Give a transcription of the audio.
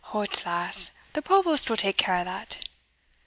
"Hout, lass the provost will take care o' that."